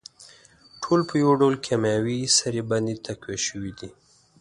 ټول په يوه ډول کيمياوي سرې باندې تقويه شوي دي.